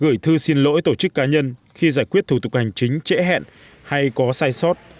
gửi thư xin lỗi tổ chức cá nhân khi giải quyết thủ tục hành chính trễ hẹn hay có sai sót